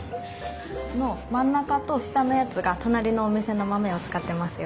この真ん中と下のやつが隣のお店の豆を使ってますよ。